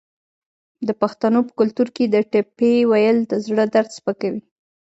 د پښتنو په کلتور کې د ټپې ویل د زړه درد سپکوي.